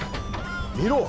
見ろ！